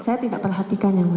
saya tidak perhatikan yang mulia